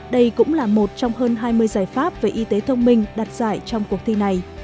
đây cũng là một trong hơn hai mươi giải pháp về y tế thông minh đạt giải trong cuộc thi này